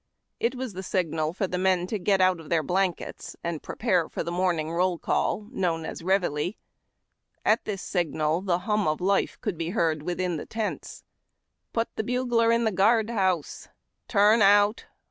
It was the signal to the men to get out of their blankets and prepare for the morning roll call, known as ReveilU. At this signal, the hum of life could be heard within the tents. " Put the bugler in the guard house !"— u Xurn out !